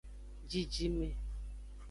Jijime.